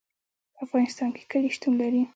په افغانستان کې کلي شتون لري.